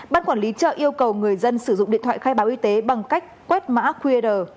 ban quản lý chợ yêu cầu người dân sử dụng điện thoại khai báo y tế bằng cách quét mã qr